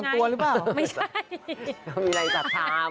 ก็มีอะไรจัดท้า